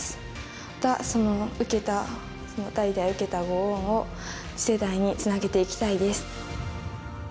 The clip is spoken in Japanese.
また受けたその代々受けたご恩を次世代につなげていきたいです。